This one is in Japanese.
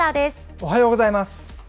おはようございます。